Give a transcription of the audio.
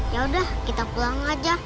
yaudah kita pulang aja